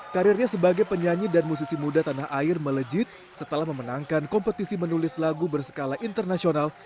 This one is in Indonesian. karirnya sebagai penyanyi dan musisi muda tanah air melejit setelah memenangkan kompetisi menulis lagu berskala internasional